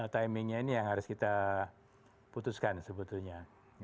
timingnya ini yang harus kita putuskan sebetulnya